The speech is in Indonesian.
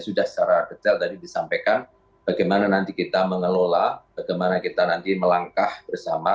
sudah secara detail tadi disampaikan bagaimana nanti kita mengelola bagaimana kita nanti melangkah bersama